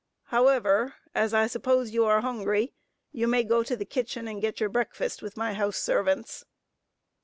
However, as I suppose you are hungry, you may go to the kitchen and get your breakfast with my house servants."